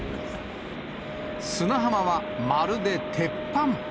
砂浜はまるで鉄板。